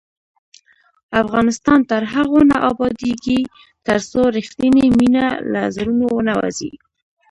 افغانستان تر هغو نه ابادیږي، ترڅو رښتینې مینه له زړونو ونه وځي.